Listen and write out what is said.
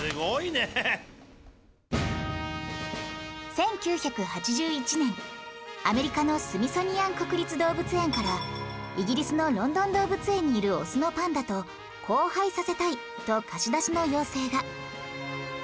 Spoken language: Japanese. １９８１年アメリカのスミソニアン国立動物園からイギリスのロンドン動物園にいるオスのパンダと交配させたいと貸し出しの要請が